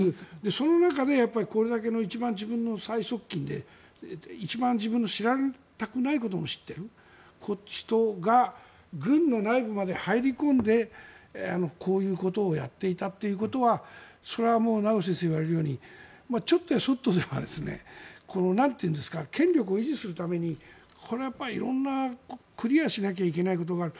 その中でこれだけの自分の最側近で自分の知られたくないことも知っている人が軍の内部まで入り込んでこういうことをやっていたということはそれはもう名越先生が言われるようにちょっとやそっとでは権力を維持するためにこれは色んなクリアしなきゃいけないことがある。